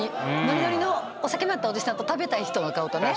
ノリノリのお酒の入ったおじさんと食べたい人の顔とね。